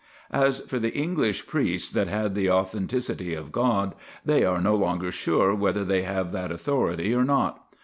As for the English priests that had the authority of God, they are no longer sure whether they have that authority or not.